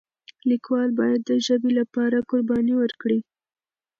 لیکوال باید د ژبې لپاره قرباني ورکړي.